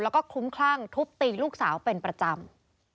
แล้วก็คลุ้มคลั่งทุบตีลูกสาวเป็นประจำ